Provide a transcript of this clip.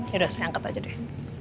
yaudah saya angkat aja deh